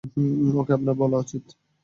ওকে আপনার বলা উচিত।